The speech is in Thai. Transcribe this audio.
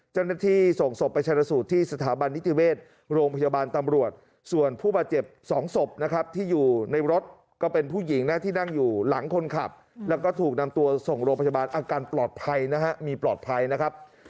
เจ้าหน้าที่ส่งศพไปชนะสูตรที่สถาบันนิติเวชโรงพยาบาลตำรวจส่วนผู้บาดเจ็บ๒ศพนะครับที่อยู่ในรถก็เป็นผู้หญิงนะที่นั่งอยู่หลังคนขับแล้วก็ถูกนำตัวส่งโรงพยาบาลอาการปลอดภัยนะฮะมีปลอดภัยนะครับ